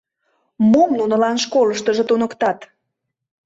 Мом нунылан школыштыжо туныктат!